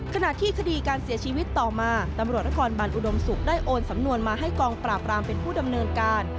ขณะที่คดีการเสียชีวิตต่อมาตำรวจนครบันอุดมศุกร์ได้โอนสำนวนมาให้กองปราบรามเป็นผู้ดำเนินการ